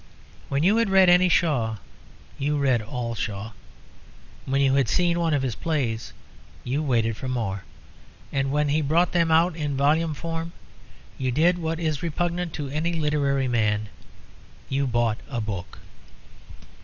When you had read any Shaw you read all Shaw. When you had seen one of his plays you waited for more. And when he brought them out in volume form, you did what is repugnant to any literary man you bought a book.